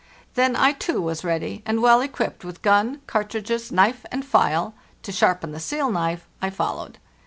Then I, too, was ready; 468 FARTHEST NORTH and well equipped with gun, cartridges, knife, and file (to sharpen the seal knife), I followed.